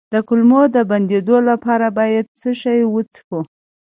د کولمو د بندیدو لپاره باید څه شی وڅښم؟